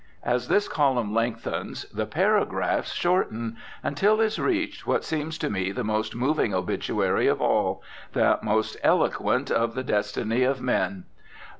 As this column lengthens the paragraphs shorten, until is reached what seems to me the most moving obituary of all, that most eloquent of the destiny of men.